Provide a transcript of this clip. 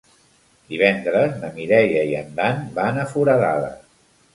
Divendres na Mireia i en Dan van a Foradada.